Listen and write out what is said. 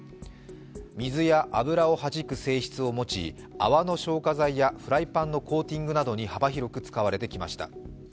水や油をはじく性質を持ち泡の消火剤やフライパンのコーティングなどに幅広く使われてきました。